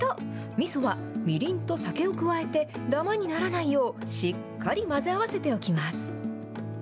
みそは、みりんと酒を加えて、だまにならないよう、しっかり混ぜ合わせておきます。